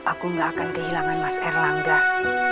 aku gak akan kehilangan mas erlangga